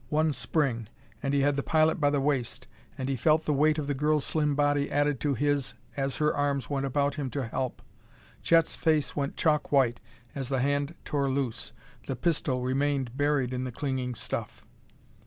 One spring, and he had the pilot by the waist, and he felt the weight of the girl's slim body added to his as her arms went about him to help. Chet's face went chalk white as the hand tore loose. The pistol remained buried in the clinging stuff.